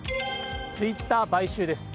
ツイッター買収です。